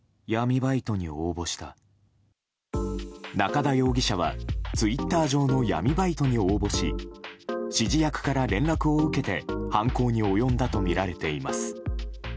中田容疑者はツイッター上の闇バイトに応募し指示役から連絡を受けて犯行に及んだとみられています。